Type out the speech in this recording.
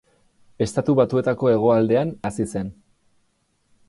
Estatu Batuetako hegoaldean hazi zen.